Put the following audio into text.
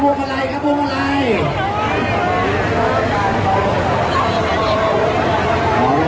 ขอบคุณมากนะคะแล้วก็แถวนี้ยังมีชาติของ